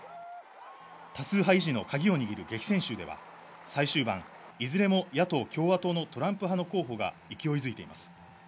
多数派維持のカギを握る激戦州では最終盤、いずれも野党・共和党のトランプ派の候補が勢いづいています。